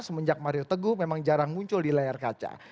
semenjak mario teguh memang jarang muncul di layar kaca